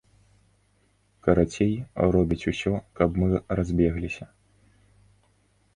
Карацей, робяць усё, каб мы разбегліся.